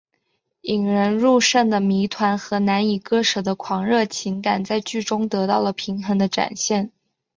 引人入胜的谜团和难以割舍的狂热情感在剧中得到了平衡的展现。